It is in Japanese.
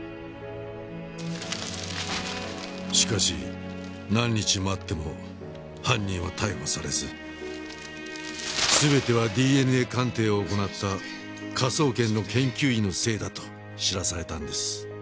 しかし何日待っても犯人は逮捕されず全てはＤＮＡ鑑定を行った科捜研の研究員のせいだと知らされたんです。